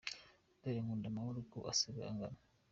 Dore Nkunda Amahoro uko asigaye angana.